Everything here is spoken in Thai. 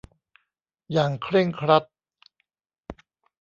อย่างเคร่งครัด